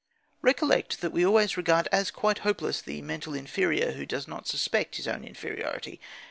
Recollect that we always regard as quite hopeless the mental inferior who does not suspect his own inferiority.